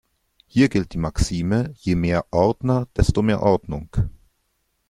Hier gilt die Maxime: Je mehr Ordner, desto mehr Ordnung.